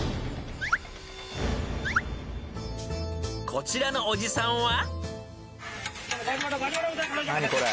［こちらのおじさんは］